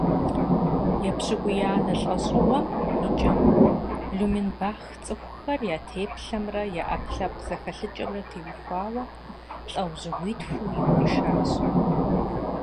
Епщыкӏуиянэ лӀэщӀыгъуэм и кӀэм Блуменбах цӀыхухэр я теплъэмрэ я Ӏэпкълъэпкъ зэхэлъыкӀэмрэ теухуауэ лӀэужьыгъуитхуу игуэшащ.